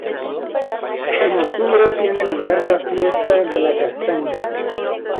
En octubre tiene lugar la fiesta de la castaña.